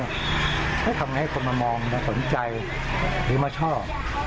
แล้วทำไงให้คนมามองมาสนใจหรือมาชอบ